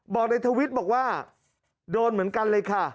ในทวิทย์บอกว่าโดนเหมือนกันเลยค่ะ